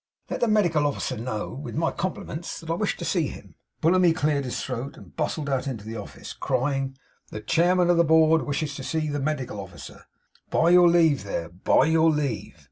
'Let the Medical Officer know, with my compliments, that I wish to see him.' Bullamy cleared his throat, and bustled out into the office, crying 'The Chairman of the Board wishes to see the Medical Officer. By your leave there! By your leave!